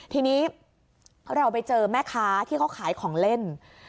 ทีนี้เราไปเจอแม่ค้าที่เขาขายของเล่น